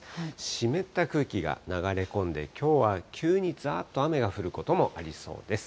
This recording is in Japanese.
湿った空気が流れ込んで、きょうは急にざーっと雨が降ることもありそうです。